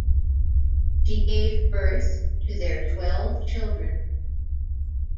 She gave birth to their twelve children.